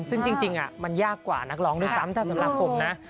ซึ่งจริงมันยากกว่านักร้องด้วยซ้ำถ้าสำหรับผมนะ